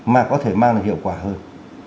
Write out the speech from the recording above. mà có thể mang lại hiệu quả hơn